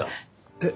えっ？